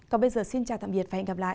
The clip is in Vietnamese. còn bây giờ xin chào tạm biệt và hẹn gặp lại